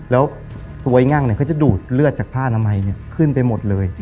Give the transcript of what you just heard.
แล้วตัวไอ้งั่งเนี่ยก็จะดูดเลือดจากผ้าน้ำไหมเนี่ยขึ้นไปหมดเลย